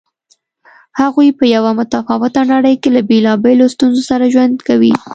هغوی په یوه متفاوته نړۍ کې له بېلابېلو ستونزو سره ژوند کوي.